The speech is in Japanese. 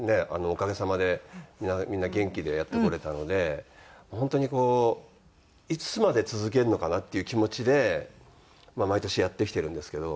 おかげさまでみんな元気でやってこれたので本当にこういつまで続けるのかな？っていう気持ちで毎年やってきてるんですけど。